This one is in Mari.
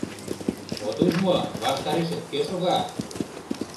— От уж мо, ваштарешет кӧ шога?